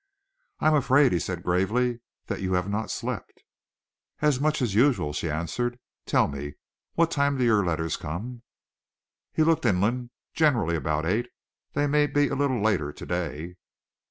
"I am afraid," he said gravely, "that you have not slept." "As much as usual," she answered. "Tell me, what time do your letters come?" He looked inland. "Generally about eight. They may be a little later to day."